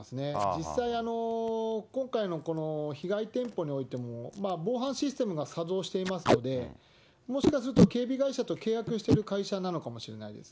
実際、今回のこの被害店舗においても、防犯システムが作動していますので、もしかすると警備会社と契約してる会社なのかもしれないです。